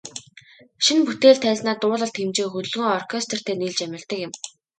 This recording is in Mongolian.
Шинэ бүтээл тайзнаа дуулалт, хэмжээ, хөдөлгөөн, оркестертэй нийлж амилдаг юм.